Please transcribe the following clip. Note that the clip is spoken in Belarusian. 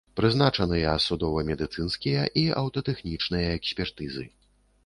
Прызначаныя судова-медыцынскія і аўтатэхнічныя экспертызы.